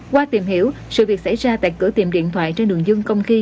qua tìm hiểu sự việc xảy ra tại cửa tiệm điện thoại trên đường dương công ty